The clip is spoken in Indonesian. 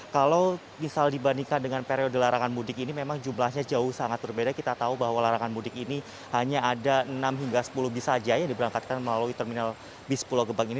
kalau misal dibandingkan dengan periode larangan mudik ini memang jumlahnya jauh sangat berbeda kita tahu bahwa larangan mudik ini hanya ada enam hingga sepuluh bis saja yang diberangkatkan melalui terminal bis pulau gebang ini